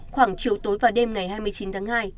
khoảng chiều tối và đêm ngày hai mươi chín tháng hai